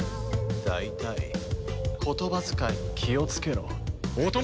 大体言葉遣いに気をつけろお供ども！